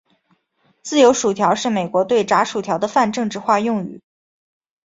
自由薯条是美国对炸薯条的泛政治化用语。